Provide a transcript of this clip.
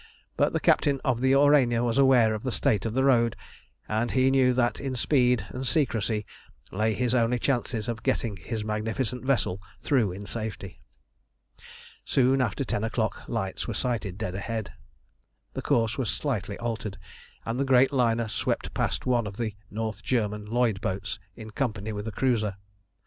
But the captain of the Aurania was aware of the state of the road, and he knew that in speed and secrecy lay his only chances of getting his magnificent vessel through in safety. Soon after ten o'clock lights were sighted dead ahead. The course was slightly altered, and the great liner swept past one of the North German Lloyd boats in company with a cruiser.